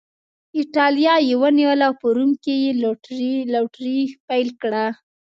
اېټالیا یې ونیوله او په روم کې یې لوټري پیل کړه